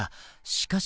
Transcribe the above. しかし。